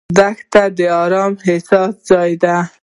دښته د ارام احساس ځای ده.